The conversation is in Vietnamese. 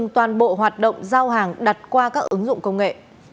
toàn bộ hoạt động giao hàng đặt qua các ứng dụng công nghệ